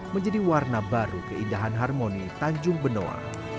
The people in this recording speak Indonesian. menjadi warna baru keindahan harmoni tanjung benoa